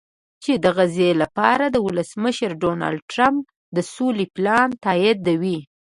چې د غزې لپاره د ولسمشر ډونالډټرمپ د سولې پلان تاییدوي